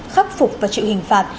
khắc phục và chịu hình phạt